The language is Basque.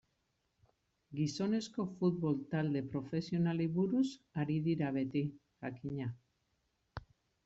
Gizonezko futbol talde profesionalei buruz ari dira beti, jakina.